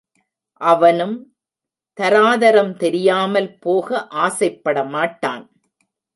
அவனும் தராதரம் தெரியாமல் போக ஆசைப்பட மாட்டான்.